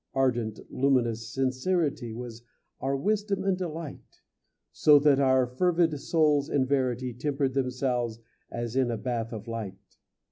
Ardent, luminous sincerity Was our wisdom and delight, So that our fervid souls in verity Tempered themselves as in a bath of light.